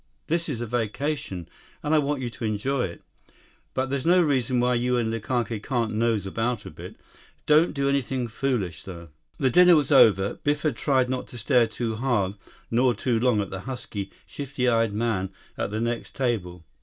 This is a vacation, and I want you to enjoy it. But there's no reason why you and Likake can't nose about a bit. Don't do anything foolish, though." The dinner was over. Biff had tried not to stare too hard nor too long at the husky, shifty eyed man at the next table.